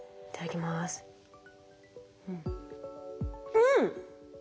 うん！